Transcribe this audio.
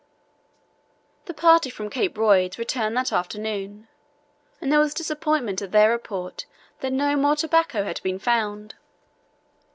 The party from Cape Royds returned that afternoon, and there was disappointment at their report that no more tobacco had been found.